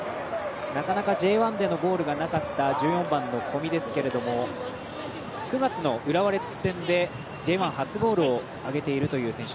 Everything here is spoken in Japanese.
なかなかＪ１でのゴールがなかった１４番、小見ですが９月の浦和レッズ戦でＪ１初ゴールを挙げている選手。